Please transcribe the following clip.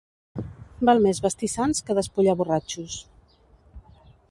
Val més vestir sants que despullar borratxos.